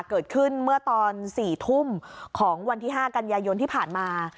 เกิดขึ้นเมื่อตอน๔ทุ่มของวันที่๕กันยายนที่ผ่านมา